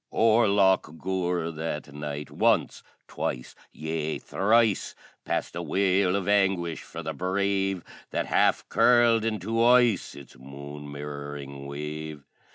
O'er Loch Gur, that night, once twice yea, thrice Passed a wail of anguish for the Brave That half curled into ice Its moon mirroring wave.